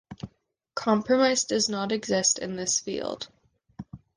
Compromise does not exist in this field.